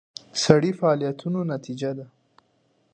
سړي فعالیتونو نتیجه ده.